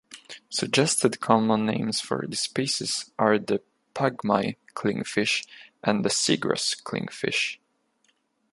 Suggested common names for this species are the "pygmy clingfish" and the "seagrass clingfish".